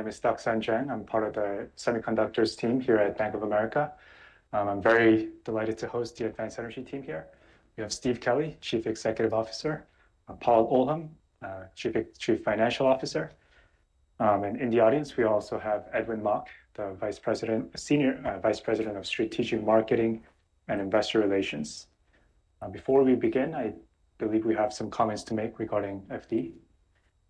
My name is Daksan Chen. I'm part of the Semiconductors team here at Bank of America. I'm very delighted to host the Advanced Energy team here. We have Steve Kelley, Chief Executive Officer, Paul Oldham, Chief Financial Officer. And in the audience, we also have Edwin Mok, the Vice President, Senior Vice President of Strategic Marketing and Investor Relations. Before we begin, I believe we have some comments to make regarding FD.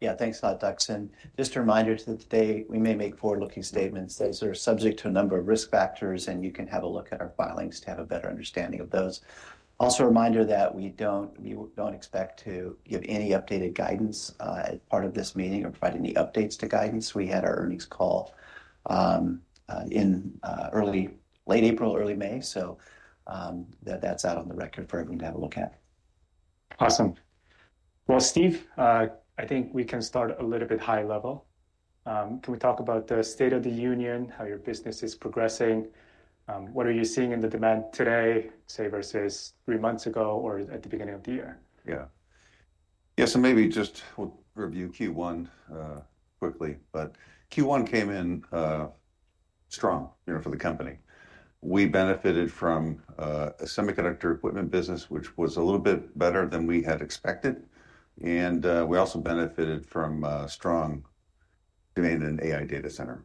Yeah, thanks a lot, Daksan. Just a reminder today, we may make forward-looking statements that are subject to a number of risk factors, and you can have a look at our filings to have a better understanding of those. Also, a reminder that we do not expect to give any updated guidance as part of this meeting or provide any updates to guidance. We had our earnings call in late April, early May, so that is out on the record for everyone to have a look at. Awesome. Steve, I think we can start a little bit high level. Can we talk about the state of the union, how your business is progressing? What are you seeing in the demand today, say, versus three months ago or at the beginning of the year? Yeah. Yeah. Maybe just we'll review Q1 quickly, but Q1 came in strong for the company. We benefited from a semiconductor equipment business, which was a little bit better than we had expected. We also benefited from a strong demand in AI data center,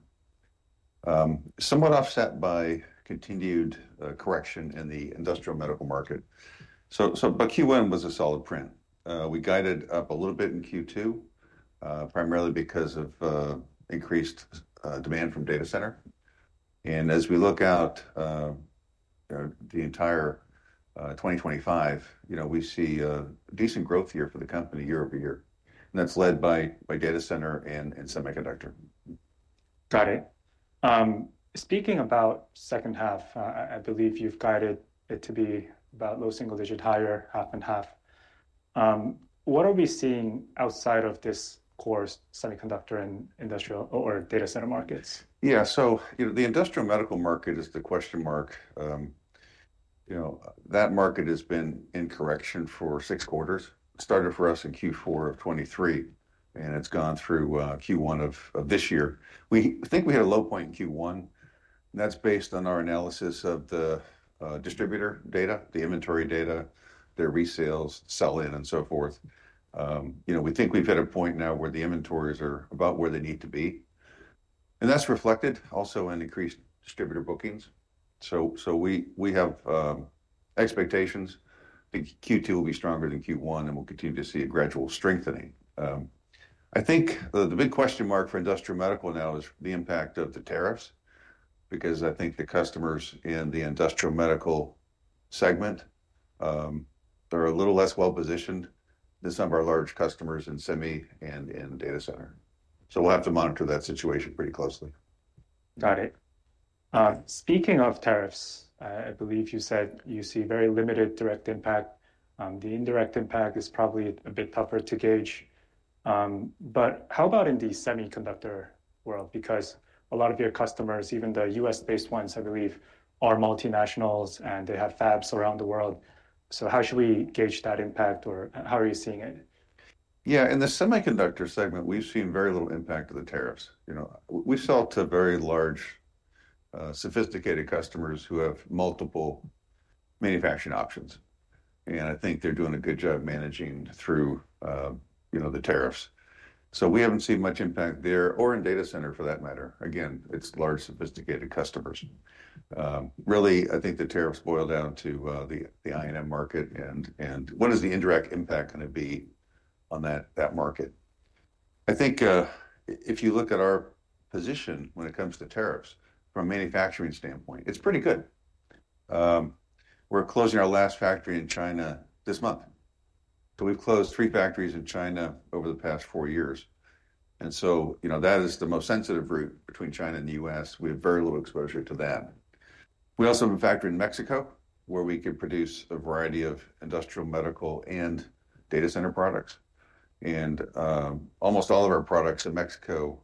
somewhat offset by continued correction in the industrial medical market. Q1 was a solid print. We guided up a little bit in Q2, primarily because of increased demand from data center. As we look out the entire 2025, we see decent growth here for the company year over year. That's led by data center and semiconductor. Got it. Speaking about second half, I believe you've guided it to be about low single digit higher, half and half. What are we seeing outside of this core, semiconductor and industrial or data center markets? Yeah. The industrial medical market is the question mark. That market has been in correction for six quarters. It started for us in Q4 of 2023, and it has gone through Q1 of this year. We think we had a low point in Q1. That is based on our analysis of the distributor data, the inventory data, their resales, sell in, and so forth. We think we have hit a point now where the inventories are about where they need to be. That is reflected also in increased distributor bookings. We have expectations that Q2 will be stronger than Q1, and we will continue to see a gradual strengthening. I think the big question mark for industrial medical now is the impact of the tariffs, because I think the customers in the industrial medical segment are a little less well-positioned than some of our large customers in semi and in data center. We'll have to monitor that situation pretty closely. Got it. Speaking of tariffs, I believe you said you see very limited direct impact. The indirect impact is probably a bit tougher to gauge. How about in the semiconductor world? Because a lot of your customers, even the U.S.-based ones, I believe, are multinationals, and they have fabs around the world. How should we gauge that impact, or how are you seeing it? Yeah. In the semiconductor segment, we've seen very little impact of the tariffs. We sell to very large, sophisticated customers who have multiple manufacturing options. I think they're doing a good job managing through the tariffs. We haven't seen much impact there or in data center for that matter. Again, it's large, sophisticated customers. Really, I think the tariffs boil down to the INM market. What is the indirect impact going to be on that market? I think if you look at our position when it comes to tariffs from a manufacturing standpoint, it's pretty good. We're closing our last factory in China this month. We've closed three factories in China over the past four years. That is the most sensitive route between China and the U.S. We have very little exposure to that. We also have a factory in Mexico where we can produce a variety of industrial, medical, and data center products. Almost all of our products in Mexico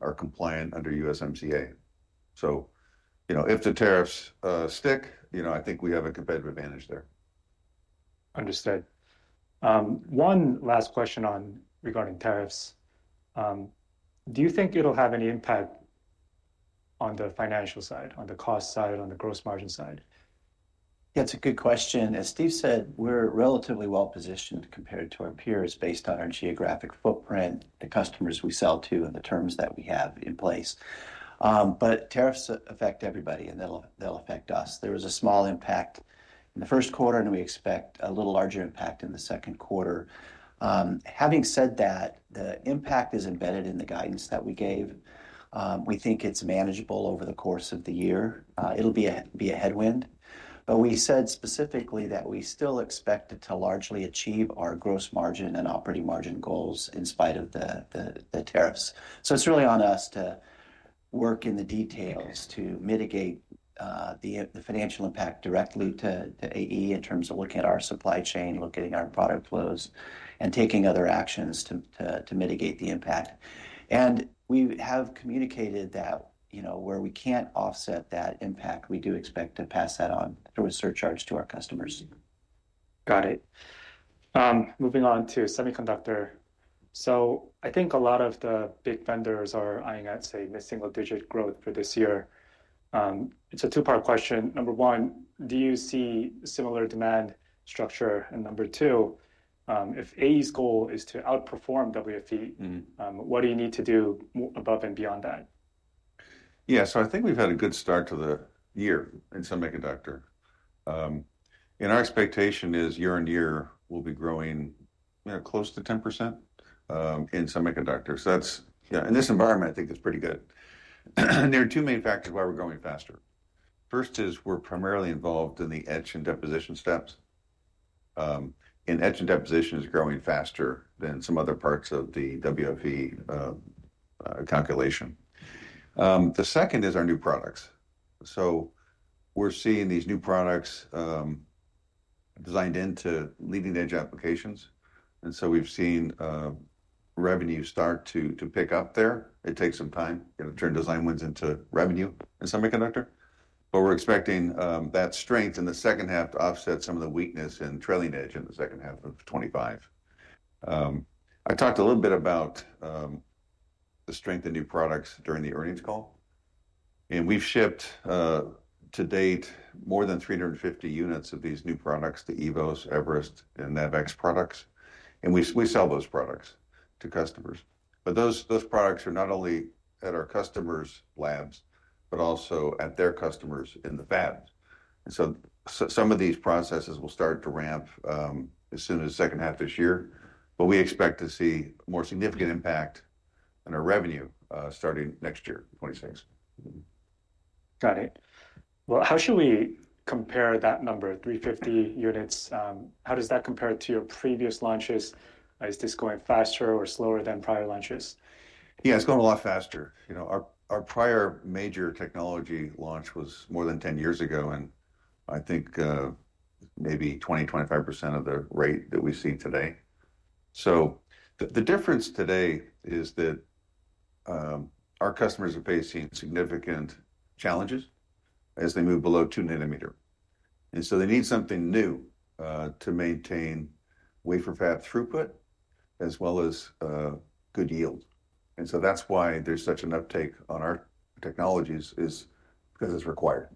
are compliant under USMCA. If the tariffs stick, I think we have a competitive advantage there. Understood. One last question regarding tariffs. Do you think it'll have any impact on the financial side, on the cost side, on the gross margin side? Yeah, it's a good question. As Steve said, we're relatively well-positioned compared to our peers based on our geographic footprint, the customers we sell to, and the terms that we have in place. Tariffs affect everybody, and they'll affect us. There was a small impact in the first quarter, and we expect a little larger impact in the second quarter. Having said that, the impact is embedded in the guidance that we gave. We think it's manageable over the course of the year. It'll be a headwind. We said specifically that we still expect to largely achieve our gross margin and operating margin goals in spite of the tariffs. It's really on us to work in the details to mitigate the financial impact directly to AE in terms of looking at our supply chain, looking at our product flows, and taking other actions to mitigate the impact. We have communicated that where we cannot offset that impact, we do expect to pass that on through a surcharge to our customers. Got it. Moving on to semiconductor. I think a lot of the big vendors are eyeing at, say, a single digit growth for this year. It's a two-part question. Number one, do you see similar demand structure? Number two, if AE's goal is to outperform WFE, what do you need to do above and beyond that? Yeah. I think we've had a good start to the year in semiconductor. Our expectation is year on year we'll be growing close to 10% in semiconductors. Yeah. In this environment, I think it's pretty good. There are two main factors why we're growing faster. First is we're primarily involved in the etch and deposition steps. Etch and deposition is growing faster than some other parts of the WFE calculation. The second is our new products. We're seeing these new products designed into leading-edge applications. We've seen revenue start to pick up there. It takes some time to turn design wins into revenue in semiconductor. We're expecting that strength in the second half to offset some of the weakness in trailing edge in the second half of 2025. I talked a little bit about the strength of new products during the earnings call. We have shipped to date more than 350 units of these new products, the Evos, Everest, and NAVEX products. We sell those products to customers. Those products are not only at our customers' labs, but also at their customers in the fabs. Some of these processes will start to ramp as soon as the second half of this year. We expect to see more significant impact on our revenue starting next year, 2026. Got it. How should we compare that number, 350 units? How does that compare to your previous launches? Is this going faster or slower than prior launches? Yeah, it's going a lot faster. Our prior major technology launch was more than 10 years ago, and I think maybe 20-25% of the rate that we see today. The difference today is that our customers are facing significant challenges as they move below 2 nanometers. They need something new to maintain wafer fab throughput as well as good yield. That is why there's such an uptake on our technologies is because it's required.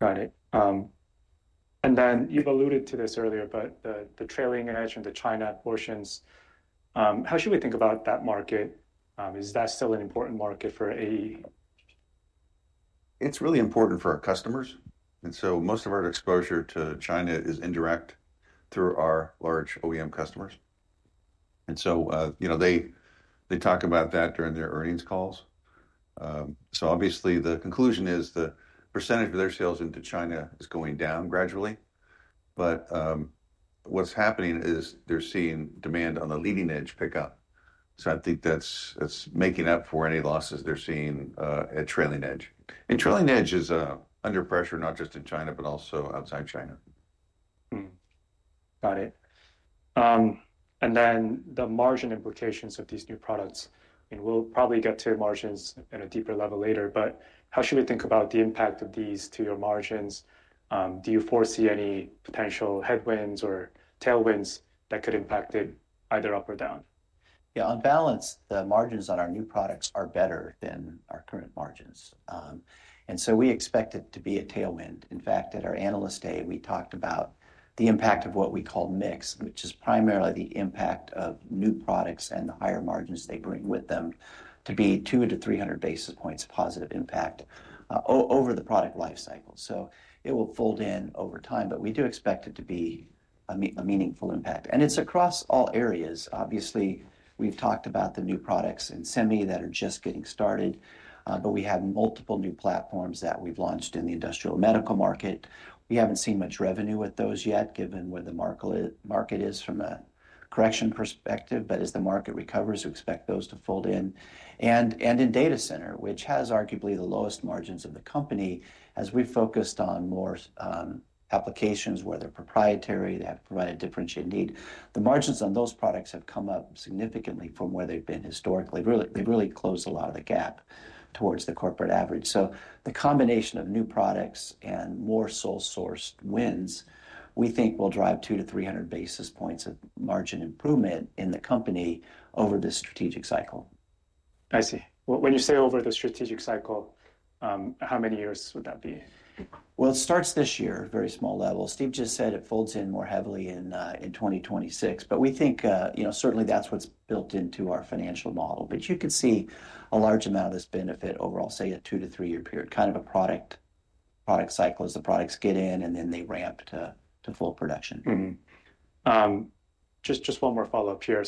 Got it. And then you've alluded to this earlier, but the trailing edge and the China portions, how should we think about that market? Is that still an important market for AE? It's really important for our customers. Most of our exposure to China is indirect through our large OEM customers. They talk about that during their earnings calls. Obviously, the conclusion is the percentage of their sales into China is going down gradually. What's happening is they're seeing demand on the leading edge pick up. I think that's making up for any losses they're seeing at trailing edge. Trailing edge is under pressure not just in China, but also outside China. Got it. And then the margin implications of these new products. And we'll probably get to margins at a deeper level later. But how should we think about the impact of these to your margins? Do you foresee any potential headwinds or tailwinds that could impact it either up or down? Yeah. On balance, the margins on our new products are better than our current margins. We expect it to be a tailwind. In fact, at our analyst day, we talked about the impact of what we call MIX, which is primarily the impact of new products and the higher margins they bring with them to be 200-300 basis points positive impact over the product lifecycle. It will fold in over time. We do expect it to be a meaningful impact. It is across all areas. Obviously, we have talked about the new products in semi that are just getting started. We have multiple new platforms that we have launched in the industrial medical market. We have not seen much revenue with those yet, given where the market is from a correction perspective. As the market recovers, we expect those to fold in. In data center, which has arguably the lowest margins of the company, as we've focused on more applications where they're proprietary, they have provided differentiated need. The margins on those products have come up significantly from where they've been historically. They really closed a lot of the gap towards the corporate average. The combination of new products and more sole-sourced wins, we think, will drive 200-300 basis points of margin improvement in the company over the strategic cycle. I see. When you say over the strategic cycle, how many years would that be? It starts this year, very small level. Steve just said it folds in more heavily in 2026. We think certainly that's what's built into our financial model. You can see a large amount of this benefit overall, say, a two- to three-year period, kind of a product cycle as the products get in, and then they ramp to full production. Just one more follow-up here.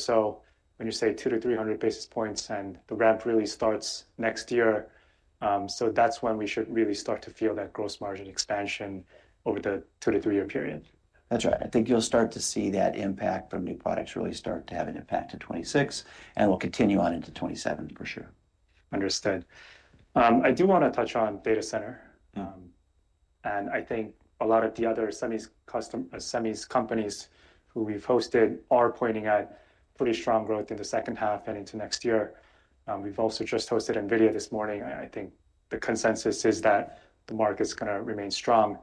When you say 200-300 basis points and the ramp really starts next year, is that when we should really start to feel that gross margin expansion over the two to three-year period? That's right. I think you'll start to see that impact from new products really start to have an impact in 2026, and it will continue on into 2027 for sure. Understood. I do want to touch on data center. I think a lot of the other semi companies who we've hosted are pointing out pretty strong growth in the second half and into next year. We've also just hosted NVIDIA this morning. I think the consensus is that the market's going to remain strong.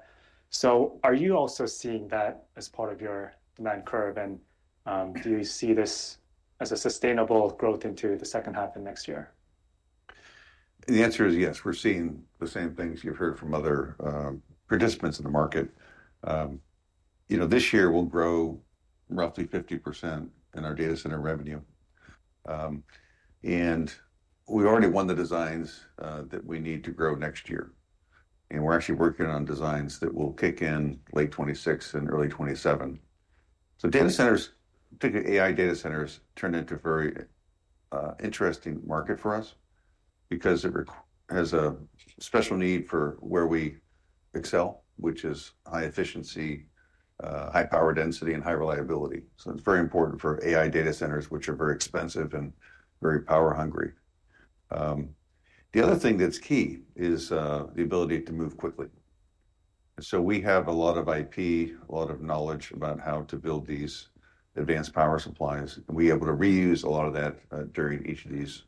Are you also seeing that as part of your demand curve? Do you see this as a sustainable growth into the second half of next year? The answer is yes. We're seeing the same things you've heard from other participants in the market. This year, we'll grow roughly 50% in our data center revenue. We already won the designs that we need to grow next year. We're actually working on designs that will kick in late 2026 and early 2027. Data centers, particularly AI data centers, turn into a very interesting market for us because it has a special need for where we excel, which is high efficiency, high power density, and high reliability. It is very important for AI data centers, which are very expensive and very power-hungry. The other thing that's key is the ability to move quickly. We have a lot of IP, a lot of knowledge about how to build these advanced power supplies. We're able to reuse a lot of that during each of these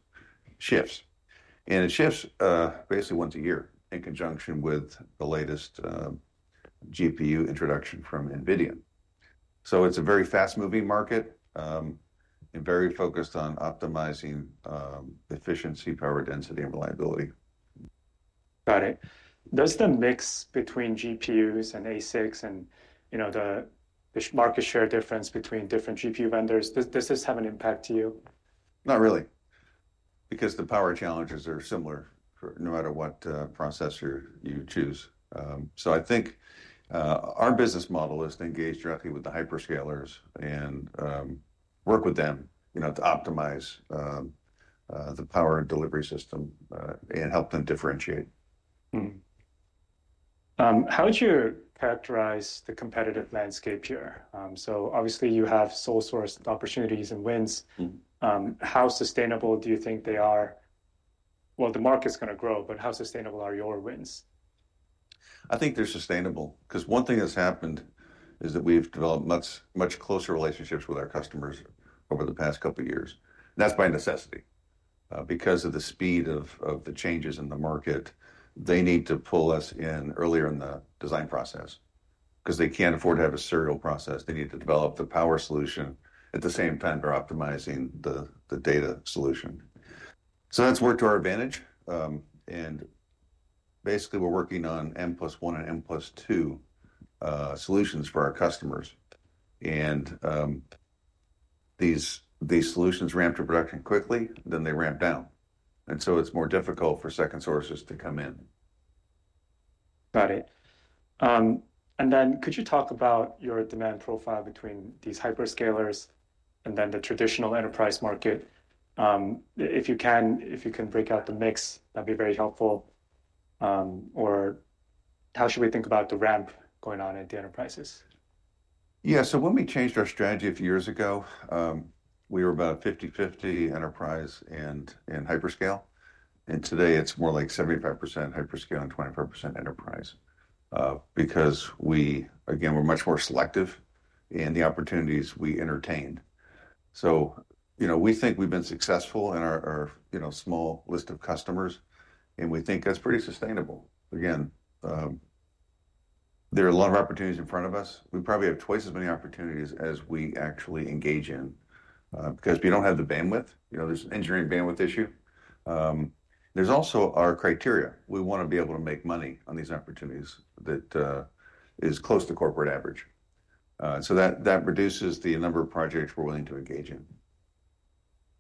shifts. It shifts basically once a year in conjunction with the latest GPU introduction from NVIDIA. It is a very fast-moving market and very focused on optimizing efficiency, power density, and reliability. Got it. Does the mix between GPUs and ASICs and the market share difference between different GPU vendors, does this have an impact to you? Not really, because the power challenges are similar no matter what processor you choose. I think our business model is to engage directly with the hyperscalers and work with them to optimize the power and delivery system and help them differentiate. How would you characterize the competitive landscape here? Obviously, you have sole-sourced opportunities and wins. How sustainable do you think they are? The market's going to grow, but how sustainable are your wins? I think they're sustainable because one thing that's happened is that we've developed much closer relationships with our customers over the past couple of years. That's by necessity. Because of the speed of the changes in the market, they need to pull us in earlier in the design process because they can't afford to have a serial process. They need to develop the power solution at the same time they're optimizing the data solution. That has worked to our advantage. Basically, we're working on M plus one and M plus two solutions for our customers. These solutions ramp to production quickly, then they ramp down. It's more difficult for second sources to come in. Got it. Could you talk about your demand profile between these hyperscalers and the traditional enterprise market? If you can, if you can break out the mix, that would be very helpful. How should we think about the ramp going on at the enterprises? Yeah. When we changed our strategy a few years ago, we were about 50/50 enterprise and hyperscale. Today, it's more like 75% hyperscale and 25% enterprise because, again, we're much more selective in the opportunities we entertain. We think we've been successful in our small list of customers. We think that's pretty sustainable. Again, there are a lot of opportunities in front of us. We probably have twice as many opportunities as we actually engage in because we don't have the bandwidth. There's an engineering bandwidth issue. There's also our criteria. We want to be able to make money on these opportunities that is close to corporate average. That reduces the number of projects we're willing to engage in.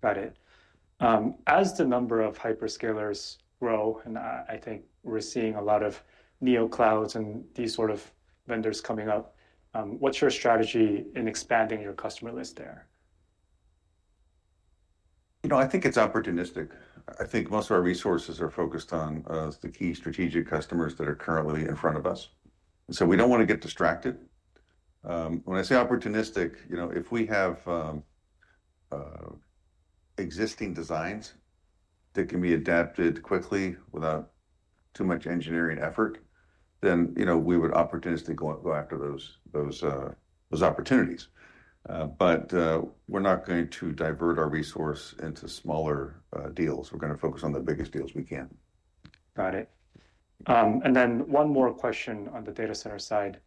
Got it. As the number of hyperscalers grow, and I think we're seeing a lot of NeoClouds and these sort of vendors coming up, what's your strategy in expanding your customer list there? I think it's opportunistic. I think most of our resources are focused on the key strategic customers that are currently in front of us. We don't want to get distracted. When I say opportunistic, if we have existing designs that can be adapted quickly without too much engineering effort, then we would opportunistically go after those opportunities. We're not going to divert our resource into smaller deals. We're going to focus on the biggest deals we can. Got it. One more question on the data center side.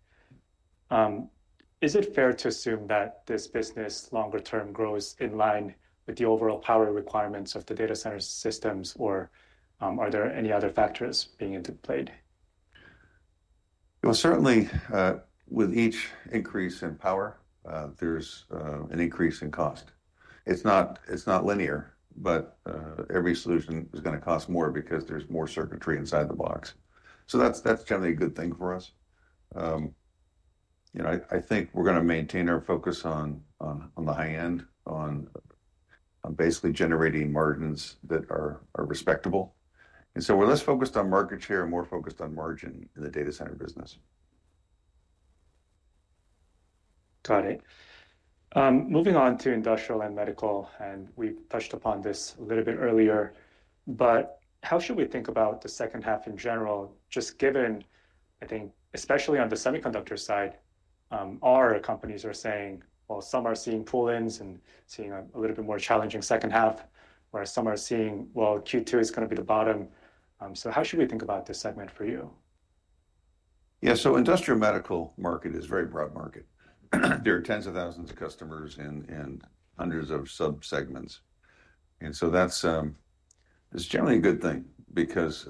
Is it fair to assume that this business longer term grows in line with the overall power requirements of the data center systems, or are there any other factors being interplayed? Certainly, with each increase in power, there's an increase in cost. It's not linear, but every solution is going to cost more because there's more circuitry inside the box. That's generally a good thing for us. I think we're going to maintain our focus on the high end, on basically generating margins that are respectable. We're less focused on market share and more focused on margin in the data center business. Got it. Moving on to industrial and medical, and we've touched upon this a little bit earlier. How should we think about the second half in general, just given, I think, especially on the semiconductor side, our companies are saying, some are seeing pull-ins and seeing a little bit more challenging second half, whereas some are seeing Q2 is going to be the bottom. How should we think about this segment for you? Yeah. The industrial medical market is a very broad market. There are tens of thousands of customers and hundreds of subsegments. That is generally a good thing because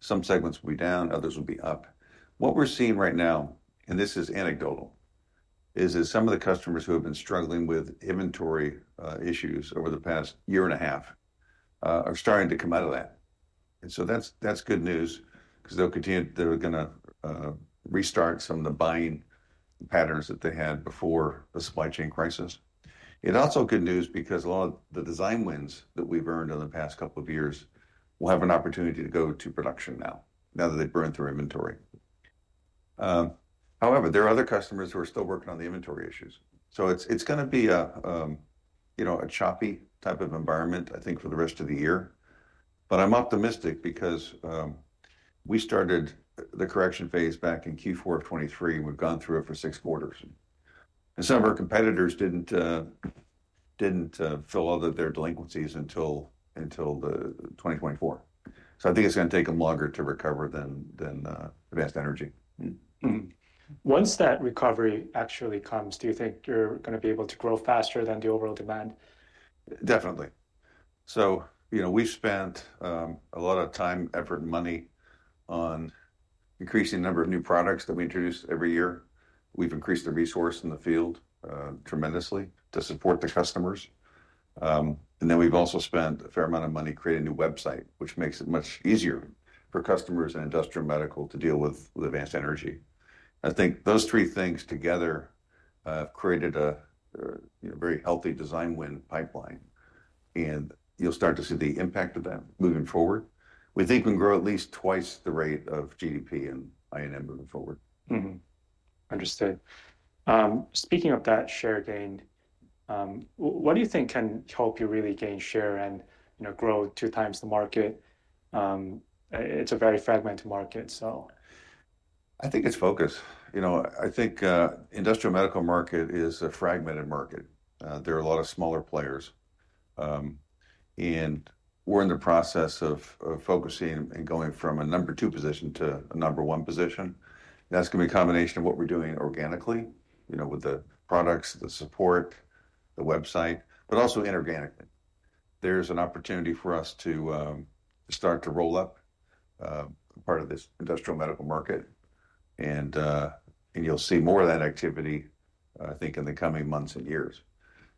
some segments will be down, others will be up. What we are seeing right now, and this is anecdotal, is that some of the customers who have been struggling with inventory issues over the past year and a half are starting to come out of that. That is good news because they are going to restart some of the buying patterns that they had before the supply chain crisis. It is also good news because a lot of the design wins that we have earned in the past couple of years will have an opportunity to go to production now, now that they have burned through inventory. However, there are other customers who are still working on the inventory issues. It's going to be a choppy type of environment, I think, for the rest of the year. I am optimistic because we started the correction phase back in Q4 of 2023, and we have gone through it for six quarters. Some of our competitors did not fill all of their delinquencies until 2024. I think it is going to take them longer to recover than Advanced Energy. Once that recovery actually comes, do you think you're going to be able to grow faster than the overall demand? Definitely. We have spent a lot of time, effort, and money on increasing the number of new products that we introduce every year. We have increased the resource in the field tremendously to support the customers. We have also spent a fair amount of money creating a new website, which makes it much easier for customers in industrial medical to deal with Advanced Energy. I think those three things together have created a very healthy design win pipeline. You will start to see the impact of that moving forward. We think we can grow at least twice the rate of GDP and I&M moving forward. Understood. Speaking of that share gain, what do you think can help you really gain share and grow two times the market? It's a very fragmented market, so. I think it's focus. I think the industrial medical market is a fragmented market. There are a lot of smaller players. We're in the process of focusing and going from a number two position to a number one position. That's going to be a combination of what we're doing organically with the products, the support, the website, but also inorganically. There's an opportunity for us to start to roll up part of this industrial medical market. You'll see more of that activity, I think, in the coming months and years.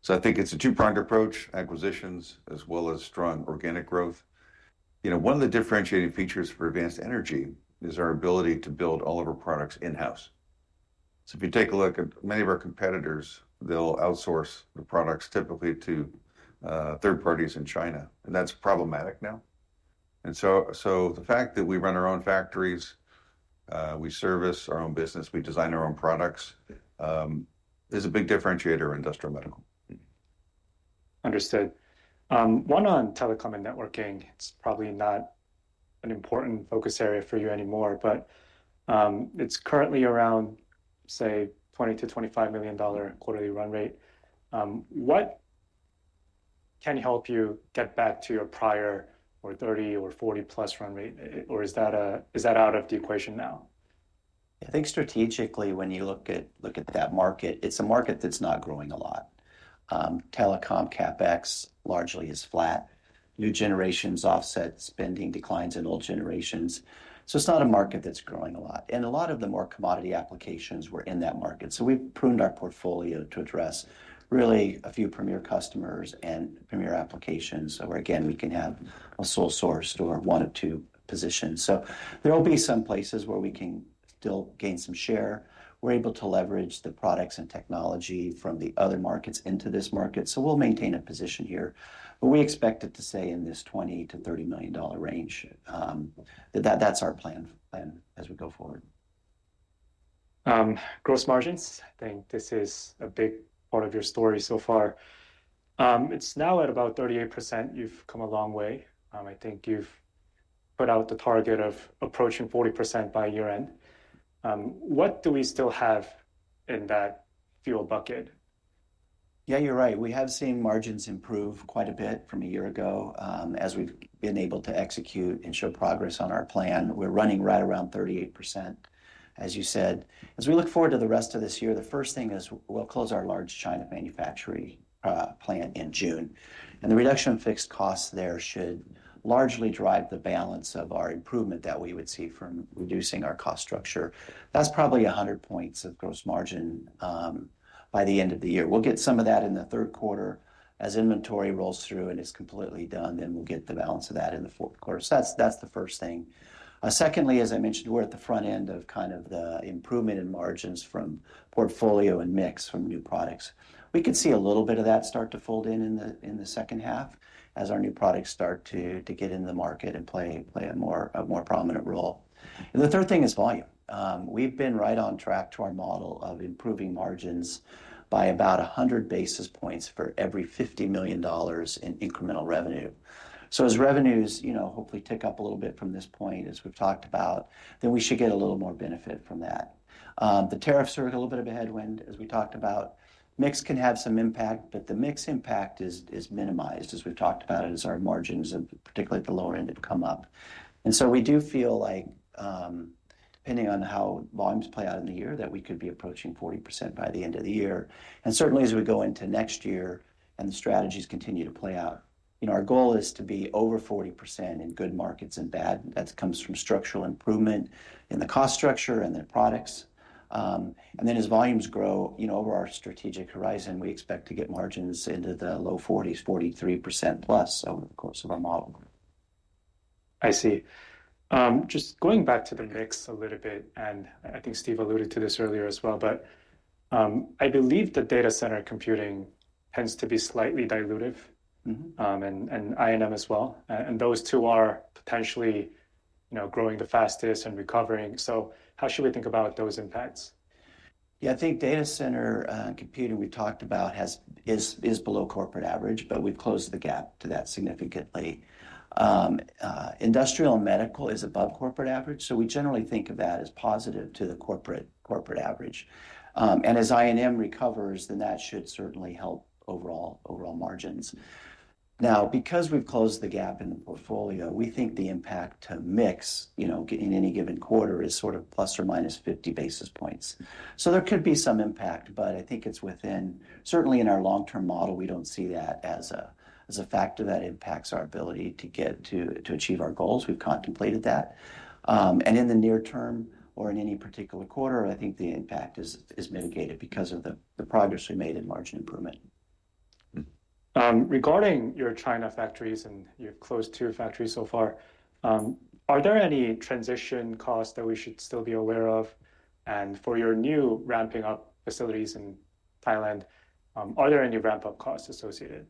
I think it's a two-pronged approach, acquisitions, as well as strong organic growth. One of the differentiating features for Advanced Energy is our ability to build all of our products in-house. If you take a look at many of our competitors, they'll outsource the products typically to third parties in China. That's problematic now. The fact that we run our own factories, we service our own business, we design our own products is a big differentiator of industrial medical. Understood. One on telecom and networking. It's probably not an important focus area for you anymore, but it's currently around, say, $20-$25 million quarterly run rate. What can help you get back to your prior or $30-$40 million-plus run rate? Or is that out of the equation now? Yeah. I think strategically, when you look at that market, it's a market that's not growing a lot. Telecom, CapEx largely is flat. New generations offset spending declines in old generations. It's not a market that's growing a lot. A lot of the more commodity applications were in that market. We've pruned our portfolio to address really a few premier customers and premier applications where, again, we can have a sole-sourced or one of two positions. There will be some places where we can still gain some share. We're able to leverage the products and technology from the other markets into this market. We'll maintain a position here. We expect it to stay in this $20-$30 million range. That's our plan as we go forward. Gross margins, I think this is a big part of your story so far. It's now at about 38%. You've come a long way. I think you've put out the target of approaching 40% by year-end. What do we still have in that fuel bucket? Yeah, you're right. We have seen margins improve quite a bit from a year ago as we've been able to execute and show progress on our plan. We're running right around 38%, as you said. As we look forward to the rest of this year, the first thing is we'll close our large China manufacturing plant in June. The reduction of fixed costs there should largely drive the balance of our improvement that we would see from reducing our cost structure. That's probably 100 basis points of gross margin by the end of the year. We'll get some of that in the third quarter. As inventory rolls through and it's completely done, we'll get the balance of that in the fourth quarter. That's the first thing. Secondly, as I mentioned, we're at the front end of kind of the improvement in margins from portfolio and mix from new products. We could see a little bit of that start to fold in in the second half as our new products start to get in the market and play a more prominent role. The third thing is volume. We've been right on track to our model of improving margins by about 100 basis points for every $50 million in incremental revenue. As revenues hopefully tick up a little bit from this point, as we've talked about, then we should get a little more benefit from that. The tariffs are a little bit of a headwind, as we talked about. Mix can have some impact, but the mix impact is minimized, as we've talked about, as our margins, particularly at the lower end, have come up. We do feel like, depending on how volumes play out in the year, that we could be approaching 40% by the end of the year. Certainly, as we go into next year and the strategies continue to play out, our goal is to be over 40% in good markets and bad. That comes from structural improvement in the cost structure and the products. Then as volumes grow over our strategic horizon, we expect to get margins into the low 40s, 43% plus over the course of our model. I see. Just going back to the mix a little bit, and I think Steve alluded to this earlier as well, but I believe that data center computing tends to be slightly dilutive and I&M as well. Those two are potentially growing the fastest and recovering. How should we think about those impacts? Yeah, I think data center computing we talked about is below corporate average, but we've closed the gap to that significantly. Industrial medical is above corporate average. We generally think of that as positive to the corporate average. As I&M recovers, that should certainly help overall margins. Now, because we've closed the gap in the portfolio, we think the impact to mix in any given quarter is sort of plus or minus 50 basis points. There could be some impact, but I think it's within certainly in our long-term model, we don't see that as a factor that impacts our ability to achieve our goals. We've contemplated that. In the near term or in any particular quarter, I think the impact is mitigated because of the progress we made in margin improvement. Regarding your China factories and you've closed two factories so far, are there any transition costs that we should still be aware of? For your new ramping-up facilities in Thailand, are there any ramp-up costs associated?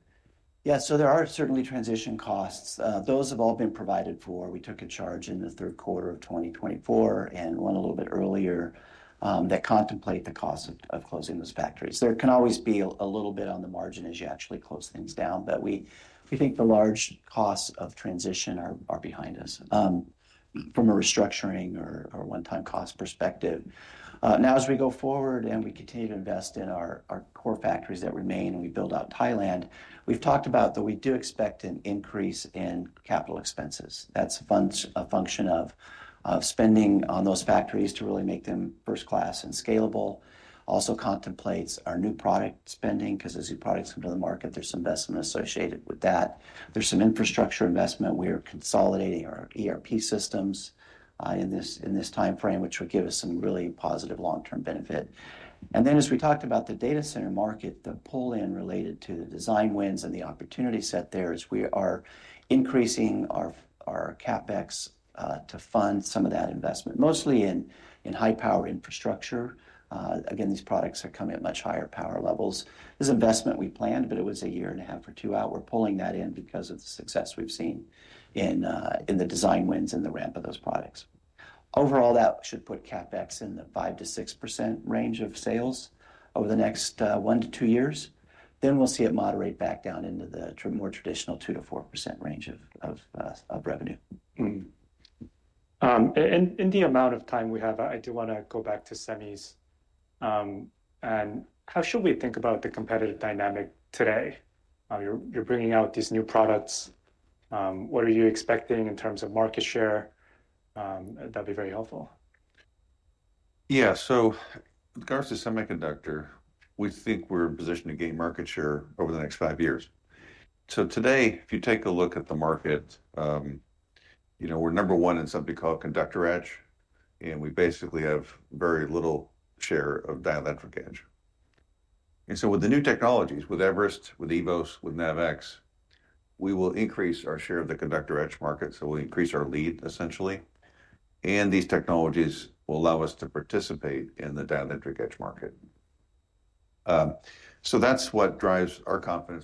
Yeah, so there are certainly transition costs. Those have all been provided for. We took a charge in the third quarter of 2024 and one a little bit earlier that contemplate the cost of closing those factories. There can always be a little bit on the margin as you actually close things down. We think the large costs of transition are behind us from a restructuring or one-time cost perspective. Now, as we go forward and we continue to invest in our core factories that remain and we build out Thailand, we've talked about that we do expect an increase in capital expenses. That's a function of spending on those factories to really make them first-class and scalable. Also contemplates our new product spending because as new products come to the market, there's some investment associated with that. There's some infrastructure investment. We are consolidating our ERP systems in this timeframe, which will give us some really positive long-term benefit. As we talked about the data center market, the pull-in related to the design wins and the opportunity set there is we are increasing our CapEx to fund some of that investment, mostly in high-power infrastructure. These products are coming at much higher power levels. This investment we planned, but it was a year and a half or two out. We're pulling that in because of the success we've seen in the design wins and the ramp of those products. Overall, that should put CapEx in the 5-6% range of sales over the next one to two years. We will see it moderate back down into the more traditional 2-4% range of revenue. In the amount of time we have, I do want to go back to semis. How should we think about the competitive dynamic today? You're bringing out these new products. What are you expecting in terms of market share? That'd be very helpful. Yeah. With regards to semiconductor, we think we're in a position to gain market share over the next five years. Today, if you take a look at the market, we're number one in something called conductor edge. We basically have very little share of dielectric edge. With the new technologies, with Everest, with Evos, with NAVEX, we will increase our share of the conductor edge market. We'll increase our lead, essentially. These technologies will allow us to participate in the dielectric edge market. That's what drives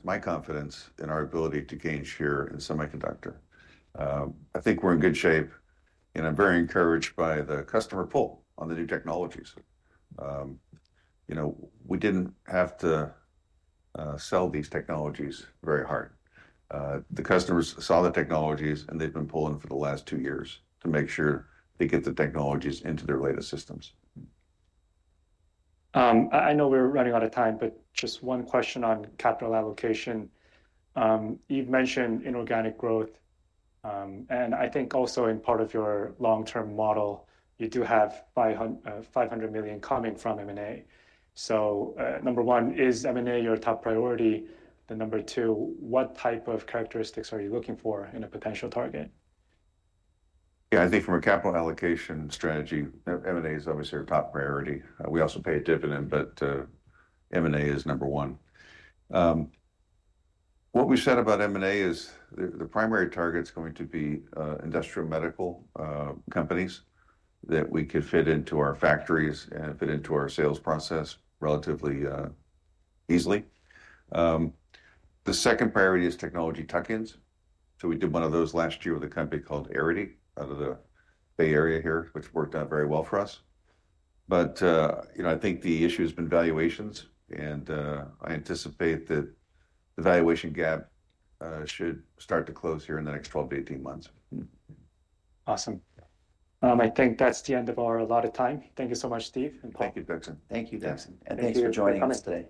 my confidence in our ability to gain share in semiconductor. I think we're in good shape. I'm very encouraged by the customer pull on the new technologies. We didn't have to sell these technologies very hard. The customers saw the technologies, and they've been pulling for the last two years to make sure they get the technologies into their latest systems. I know we're running out of time, but just one question on capital allocation. You've mentioned inorganic growth. And I think also in part of your long-term model, you do have $500 million coming from M&A. So number one, is M&A your top priority? Then number two, what type of characteristics are you looking for in a potential target? Yeah, I think from a capital allocation strategy, M&A is obviously our top priority. We also pay a dividend, but M&A is number one. What we've said about M&A is the primary target's going to be industrial medical companies that we could fit into our factories and fit into our sales process relatively easily. The second priority is technology tuck-ins. We did one of those last year with a company called Aridi out of the Bay Area here, which worked out very well for us. I think the issue has been valuations. I anticipate that the valuation gap should start to close here in the next 12-18 months. Awesome. I think that's the end of our allotted time. Thank you so much, Steve. Thank you, Daksan. Thank you, Daksan. Thank you for joining us.